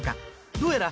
どうやら